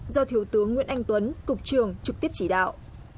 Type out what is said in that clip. do thiếu tướng nguyễn anh tuấn cục trường trực tiếp chỉ đạo